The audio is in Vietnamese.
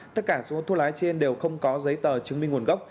tất cả số thuốc lá trên đều không có giấy tờ chứng minh nguồn gốc